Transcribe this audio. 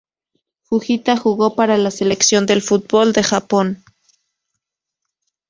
Fujita jugó para la selección de fútbol de Japón.